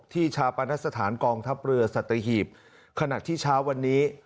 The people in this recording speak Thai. ชาปนสถานกองทัพเรือสัตหีบขณะที่เช้าวันนี้